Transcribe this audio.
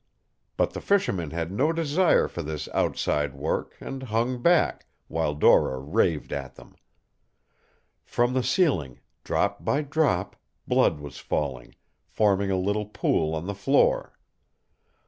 But the fishermen had no desire for this outside work and hung back, while Dora raved at them. From the ceiling, drop by drop, blood was falling, forming a little pool on the floor.